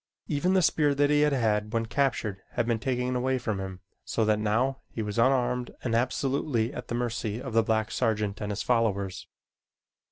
Even the spear that he had had when captured had been taken away from him, so that now he was unarmed and absolutely at the mercy of the black sergeant and his followers.